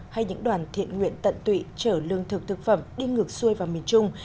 hay những đoàn thiện nguyện tận tụy trở lương thực thực phẩm đi ngược xuôi vào miền trung